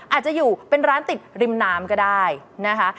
อาจจะอยู่เป็นร้านติดริมน้ำก็ได้นะคะ